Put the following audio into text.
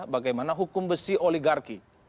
bagaimana hukum besi oligarki